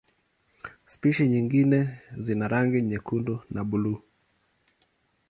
Spishi nyingine zina rangi nyekundu na buluu.